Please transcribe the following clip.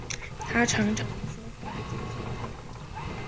她常常说话尖酸刻薄